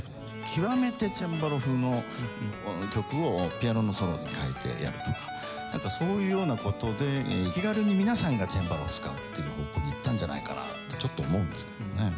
極めてチェンバロ風の曲をピアノのソロに変えてやるとかなんかそういうような事で気軽に皆さんがチェンバロを使うっていう方向にいったんじゃないかなってちょっと思うんですけどもね。